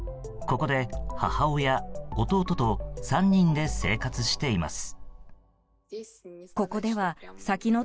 ここで母親、弟と３人で生活しています。